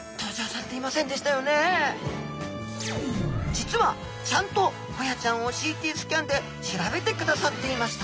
実はちゃんとホヤちゃんをＣＴスキャンで調べてくださっていました。